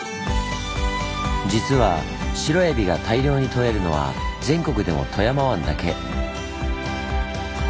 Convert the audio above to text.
実はシロエビが大量に獲れるのは全国でも富山湾だけ。